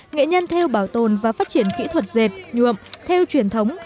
nghệ nhân theo bảo tồn và phát triển kỹ thuật dệt nhuộm theo truyền thống